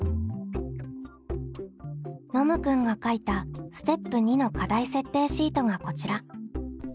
ノムくんが書いたステップ２の課題設定シートがこちら。